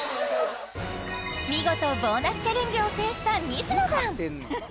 見事ボーナスチャレンジを制した西野さん